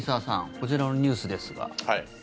こちらのニュースですが。